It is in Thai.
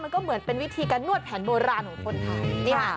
มันก็เหมือนเป็นวิธีการนวดแผนโบราณของคนไทย